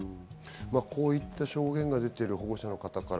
こういった証言が出てる保護者の方から。